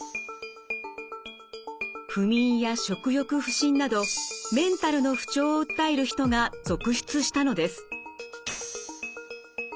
不眠や食欲不振などメンタルの不調を訴える人が続出したのです。